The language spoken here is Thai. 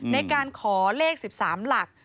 ในการขอเลข๑๓หลัก